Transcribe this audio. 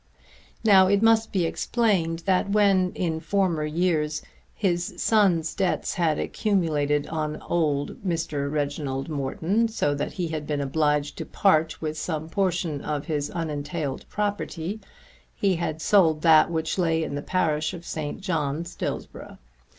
Now it must be explained that when, in former years, his son's debts had accumulated on old Mr. Reginald Morton, so that he had been obliged to part with some portion of his unentailed property, he had sold that which lay in the parish of St. John's, Dillsborough.